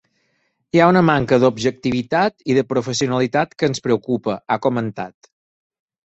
Hi ha una manca d’objectivitat i de professionalitat que ens preocupa, ha comentat.